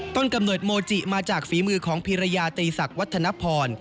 กำเนิดโมจิมาจากฝีมือของพิรยาตีศักดิ์วัฒนพร